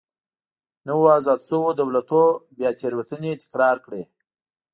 نویو ازاد شویو دولتونو بیا تېروتنې تکرار کړې.